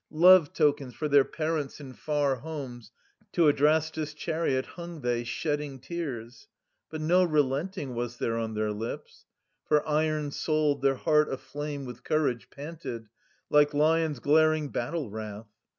Love tokens for their parents in far homes To Adrastus* chariot^ hung they, shedding tears : 50 But no relenting was there on their lips ; For iron souled their heart aflame with courage Panted, like lions glaring battle wrath.